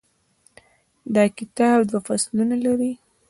دا کتاب دوه فصلونه لري.